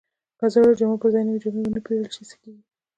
که د زړو جامو پر ځای نوې جامې ونه پیرل شي، څه کیږي؟